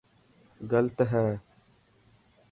گلت هي.